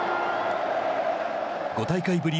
５大会ぶり